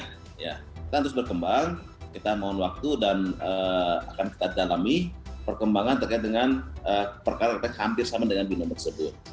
kita terus berkembang kita mohon waktu dan akan kita dalami perkembangan terkait dengan perkara perkara hampir sama dengan binom tersebut